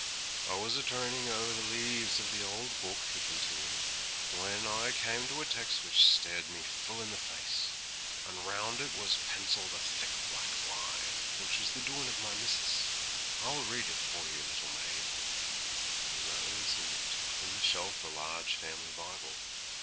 'I was a turnin' over the leaves of the old Book,' he continued, 'when I come to a tex' which stared me full in the face, and round it was pencilled a thick black line, which was the doin' of my missis. I'll read it for you, little maid.' He rose, and took from the shelf a large family Bible.